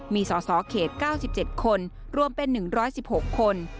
มีสสเขต๙๗คนรวมเป็น๑๑๖คน